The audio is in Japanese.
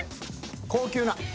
「高級な」。